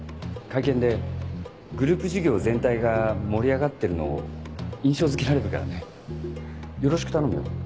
会見でグループ事業全体が盛り上がってるのを印象づけられるからねよろしく頼むよ。